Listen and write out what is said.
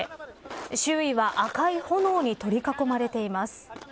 周囲は赤い炎に取り囲まれています。